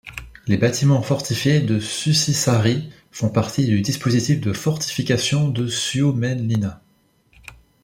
Les bâtiments fortifiés de Susisaari font partie du dispositif de fortification de Suomenlinna.